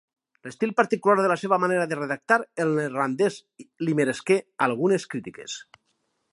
L'estil particular de la seva manera de redactar el neerlandès li meresqué algunes crítiques.